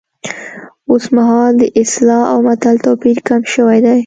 اوس مهال د اصطلاح او متل توپیر کم شوی دی